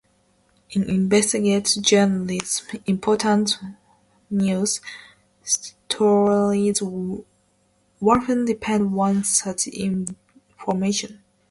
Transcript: In investigative journalism important news stories often depend on such information.